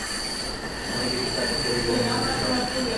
আমায় কিছু টাকাকড়ি বা অন্য কিছু দাও।